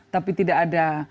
tapi tidak ada